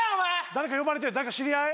誰か呼ばれてる誰か知り合い？